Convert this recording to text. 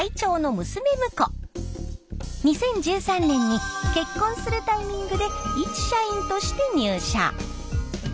２０１３年に結婚するタイミングで一社員として入社。